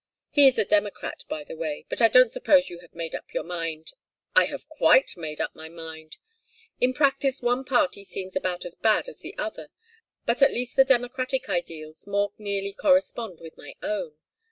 He is a Democrat, by the way but I don't suppose you have made up your mind " "I have quite made up my mind. In practice one party seems about as bad as the other, but at least the Democratic ideals more nearly correspond with my own.